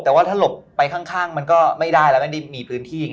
แต่ถ้าหลบไปข้างมันก็ไม่ได้แล้วมันไม่มีพื้นที่